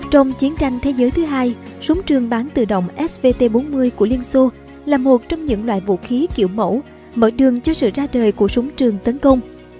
trong chiến tranh thế giới thứ hai súng trường bán tự động svt bốn mươi của liên xô là một trong những loại vũ khí kiểu mẫu mở đường cho sự ra đời của súng trường tấn công